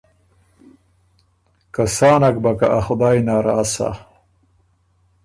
که سا نک بَۀ که ا خدای ناراض سَۀ